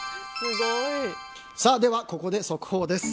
ここで速報です。